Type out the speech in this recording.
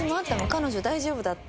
「彼女大丈夫だった？」